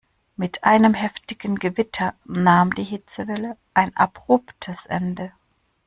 Mit einem heftigen Gewitter nahm die Hitzewelle ein abruptes Ende.